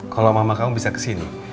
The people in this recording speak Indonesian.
kalau mama kamu bisa kesini